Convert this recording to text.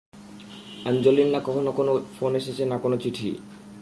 আঞ্জলির না কখনো কোন ফোন এসেছে না কোন চিঠি।